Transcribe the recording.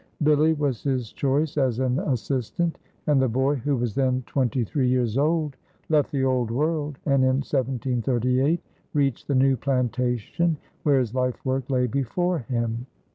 "Billy" was his choice as an assistant, and the boy, who was then twenty three years old, left the Old World and in 1738 reached the new plantation where his life work lay before him.